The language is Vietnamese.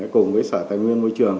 cùng với sở tài nguyên môi trường